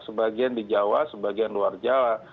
sebagian di jawa sebagian luar jawa